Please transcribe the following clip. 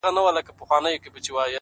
• شعـر كي مي راپـاتـــه ائـيـنه نـه ده؛